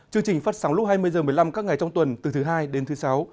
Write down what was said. chương trình phát sóng lúc hai mươi h một mươi năm các ngày trong tuần từ thứ hai đến thứ sáu